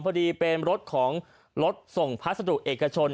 พอดีเป็นรถของรถส่งพัสดุเอกชน